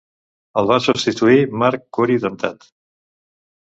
El va substituir Marc Curi Dentat.